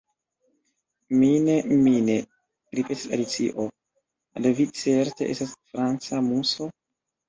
"Mine', mine'," ripetis Alicio "do vi certe estas franca Muso.